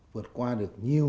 vượt qua được nhiều